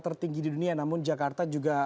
tertinggi di dunia namun jakarta juga